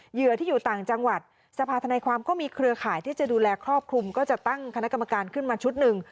เหยื่อที่อยู่ต่างจังหวัดสภาธนาความก็มีเครือข่ายที่จะดูแลครอบคลุมก็จะตั้งคณะกรรมการขึ้นมาชุดหนึ่ง